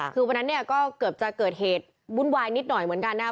คือวันนั้นเนี่ยก็เกือบจะเกิดเหตุวุ่นวายนิดหน่อยเหมือนกันนะครับ